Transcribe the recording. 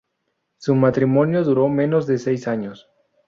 Su matrimonio duró menos de seis años.